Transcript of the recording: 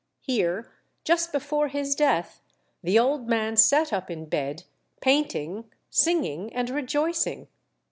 Here, just before his death, the old man sat up in bed, painting, singing, and rejoicing.